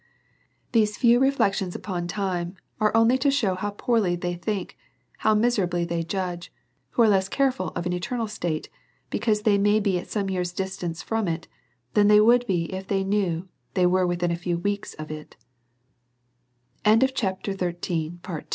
These few reflections upon time tend only to shcAV how poorly they think, how miserably they judge, who are less careful of an eternal state, because they may be some years distant from it, than they would be, if they knew they were within a few weeks of